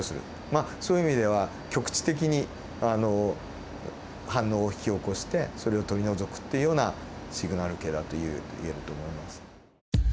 まあそういう意味では局地的に反応を引き起こしてそれを取り除くっていうようなシグナル系だといえると思います。